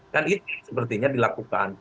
kan itu sepertinya dilakukan